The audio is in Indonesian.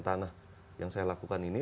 tanah yang saya lakukan ini